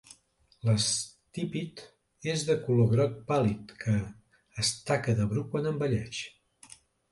L'estípit és de color groc pàl·lid, que és taca de bru quan envelleix.